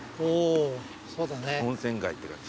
温泉街って感じ。